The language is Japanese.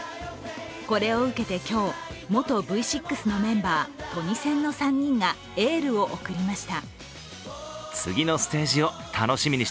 これを受けて今日、元Ｖ６のメンバートニセンの３人がエールを送りました。